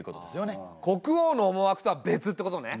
国王の思惑とは別ってことね。